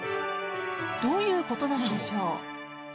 ［どういうことなのでしょう］